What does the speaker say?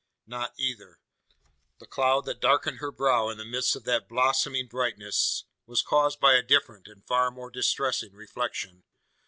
Not either. The cloud that darkened her brow in the midst of that blossoming brightness, was caused by a different, and far more distressing, reflection.